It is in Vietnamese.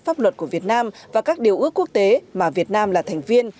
pháp luật của việt nam và các điều ước quốc tế mà việt nam là thành viên